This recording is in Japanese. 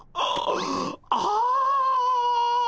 ああ。